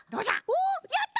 おやった！